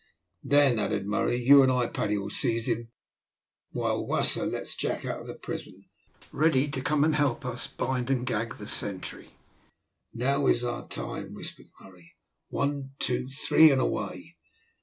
"Then," added Murray, "you and I, Paddy, will seize him, while Wasser lets Jack out of the prison, and he can come and help us bind and gag the sentry." "Now is our time," whispered Murray. "One, two, three, and away!"